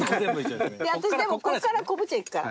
私でもここから昆布茶いくから。